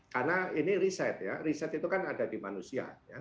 karena ini riset ya riset itu kan ada di manusia